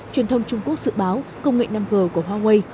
truyền thông trung quốc dự báo công nghệ năm g của huawei